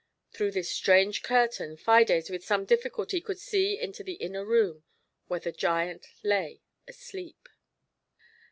Through this strange curtain Fides with some difficulty could see into the inner room where the giant lay asleep.